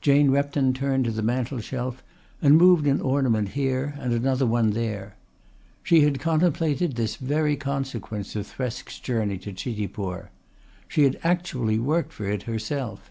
Jane Repton turned to the mantelshelf and moved an ornament here and another one there. She had contemplated this very consequence of Thresk's journey to Chitipur. She had actually worked for it herself.